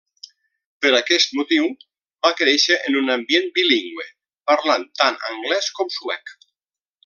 Per aquest motiu, va créixer en un ambient bilingüe, parlant tant anglès com suec.